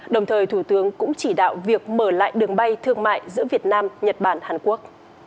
đồng thời thủ tướng cũng chỉ đạo việc mở lại đường bay thương mại giữa việt nam nhật bản hàn quốc